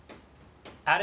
あれ？